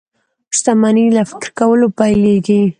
شتمني له فکر کولو پيلېږي.